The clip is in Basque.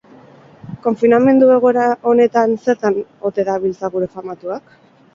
Konfinamendu egoeran honetan zertan ote dabiltza gure famatuak?